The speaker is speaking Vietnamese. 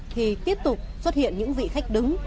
thì tiếp tục xuất hiện những vị khách đứng